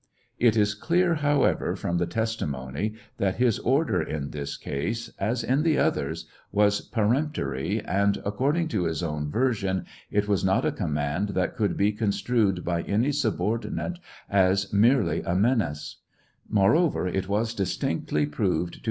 It is clear, however, from the tes timony, that his order in this case, as in the others, was peremptory, and, according to his own version, it was not a command that could be construed by any subordinate as merely a menace ; moreover, it was distinctly proved to